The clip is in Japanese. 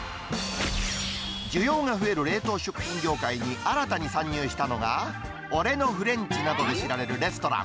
需要が増える冷凍食品業界に新たに参入したのが、俺のフレンチなどで知られるレストラン。